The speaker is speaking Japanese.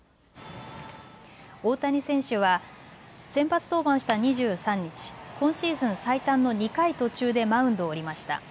大谷選手は先発登板した２３日、今シーズン最短の２回途中でマウンドを降りました。